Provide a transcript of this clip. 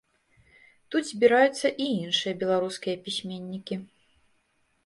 Тут збіраюцца і іншыя беларускія пісьменнікі.